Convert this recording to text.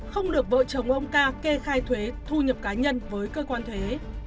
không được vợ chồng ông ca kê khai thuế thu nhập cá nhân với cơ quan thuế